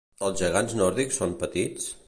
Els gegants nòrdics són petits?